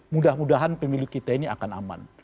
mudah mudahan pemilu kita ini akan aman